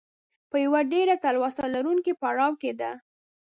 په یوه ډېره تلوسه لرونکي پړاو کې ده.